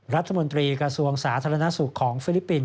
รัฐมนตรีกระทรวงสาธารณสุขของฟิลิปปินส